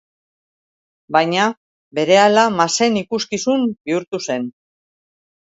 Baina, berehala masen ikuskizun bihurtu zen.